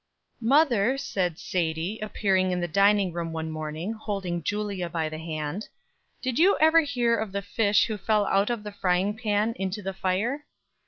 "Mother," said Sadie, appearing in the dining room one morning, holding Julia by the hand, "did you ever hear of the fish who fell out of the frying pan into the fire?"